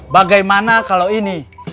bagaimana kalau ini